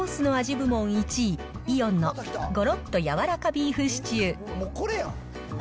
部門１位、イオンのごろっとやわらかビーフシチュー。